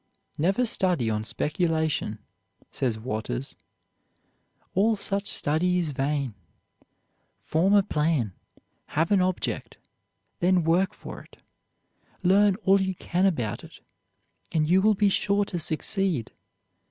"Never study on speculation," says Waters; "all such study is vain. Form a plan; have an object; then work for it, learn all you can about it, and you will be sure to succeed.